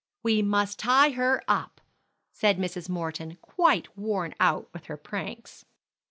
"We must tie her up," said Mrs. Morton, quite worn out with her pranks.